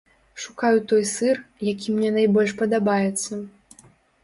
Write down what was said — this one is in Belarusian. Шукаю той сыр, які мне найбольш падабаецца.